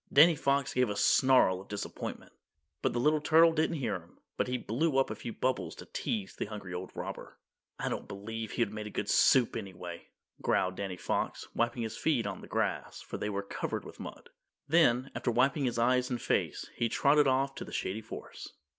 Danny Fox gave a snarl of disappointment, but the little turtle didn't hear him; but he blew up a few bubbles to tease the hungry old robber. "I don't believe he'd have made good soup, anyway," growled Danny Fox, wiping his feet on the grass, for they were covered with mud. Then, after wiping his eyes and face, he trotted off to the Shady Forest.